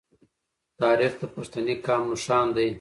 تاریخ د پښتني قام نښان دی.